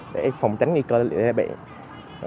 để phòng tránh nguy cơ bị bệnh